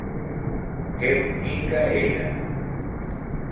Que bonica era!